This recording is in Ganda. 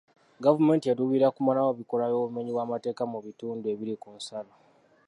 Gavumenti eruubirira kumalawo bikolwa by'obumenyi bw'amateeka mu bitundu ebiri ku nsalo.